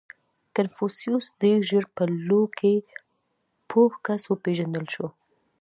• کنفوسیوس ډېر ژر په لو کې پوه کس وپېژندل شو.